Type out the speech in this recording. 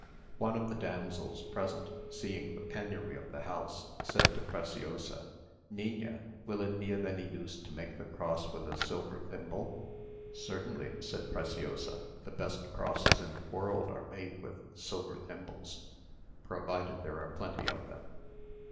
One of the damsels present, seeing the penury of the house, said to Preciosa, "Niña, will it be of any use to make the cross with a silver thimble?" "Certainly," said Preciosa; "the best crosses in the world are made with silver thimbles, provided there are plenty of them."